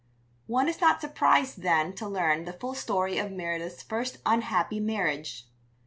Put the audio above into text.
One is not surprised, then, to learn the full story of Meredith's first unhappy marriage.